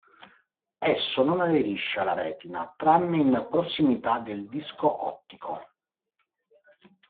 Esso non aderisce alla retina, tranne in prossimità del disco ottico.